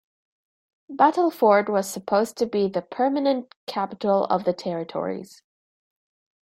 Battleford was supposed to be the permanent capital of the Territories.